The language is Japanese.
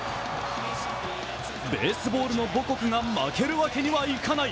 ベースボールの母国が負けるわけにはいかない。